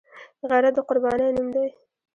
غیرت د قربانۍ نوم دی